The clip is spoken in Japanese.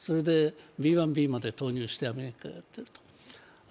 Ｂ１Ｂまで投入してアメリカがやっていると。